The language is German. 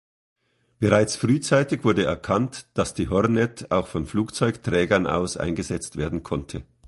Bereits frühzeitig wurde erkannt, dass die Hornet auch von Flugzeugträgern aus eingesetzt werden konnte.